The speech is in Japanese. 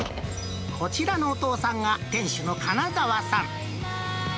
こちらのお父さんが、店主の金澤さん。